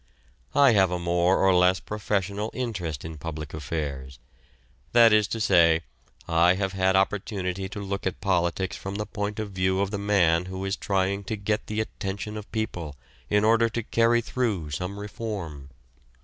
I have a more or less professional interest in public affairs; that is to say, I have had opportunity to look at politics from the point of view of the man who is trying to get the attention of people in order to carry through some reform.